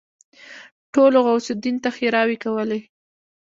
ټولو غوث الدين ته ښېراوې کولې.